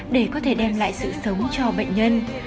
để có thể đem lại sự sống cho bệnh nhân